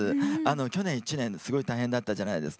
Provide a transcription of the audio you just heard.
去年１年すごい大変だったじゃないですか。